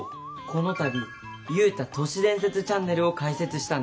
この度ユウタ都市伝説チャンネルを開設したんです。